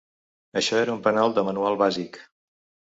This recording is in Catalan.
Això era un penal de manual bàsic.